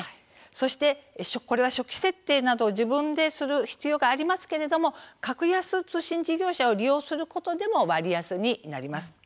そして初期設定などを自分でする必要がありますけれども格安通信事業者を利用することでも割安になります。